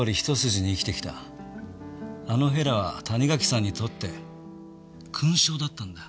あのへらは谷垣さんにとって勲章だったんだ。